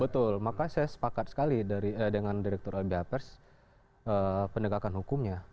betul maka saya sepakat sekali dengan direktur lbh pers penegakan hukumnya